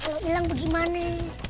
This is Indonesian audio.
kalau hilang bagaimana